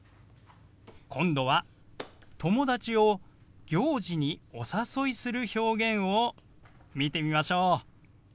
今度は友達を行事にお誘いする表現を見てみましょう。